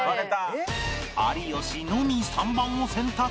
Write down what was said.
有吉のみ３番を選択